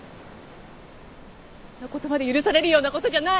そんな言葉で許されるようなことじゃない！